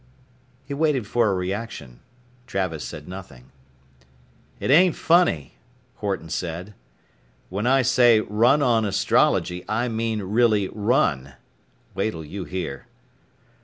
He waited for a reaction. Travis said nothing. "It ain't funny," Horton said. "When I say run on astrology I mean really run. Wait'll you hear."